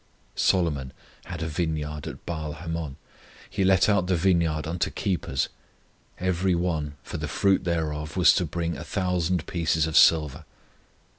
Solomon had a vineyard at Baal hamon; He let out the vineyard unto keepers; Every one for the fruit thereof was to bring a thousand pieces of silver.